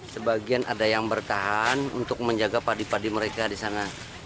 sebagian ada yang bertahan untuk menjaga padi padi mereka di sana